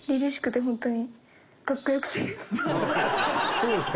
そうですか。